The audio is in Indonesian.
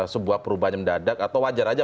sebuah perubahan yang mendadak atau wajar aja